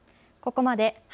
ここまで＃